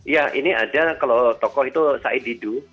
ya ini ada kalau tokoh itu said didu